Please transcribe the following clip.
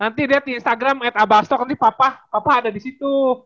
nanti lihat di instagram nanti papa ada di situ